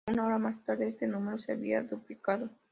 Una hora más tarde, ese número se había duplicado.